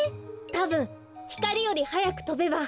たぶんひかりよりはやくとべば。